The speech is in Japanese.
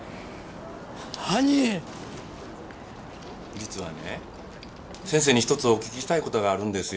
実はね先生に一つお聞きしたい事があるんですよ。